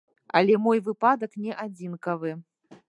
Але мой выпадак не адзінкавы.